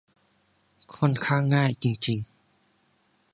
ค่อนข้างง่ายจริง ๆ